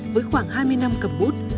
với khoảng hai mươi năm cầm bút